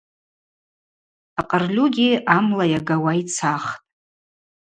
Акъырльугьи амла йагауа йцахтӏ.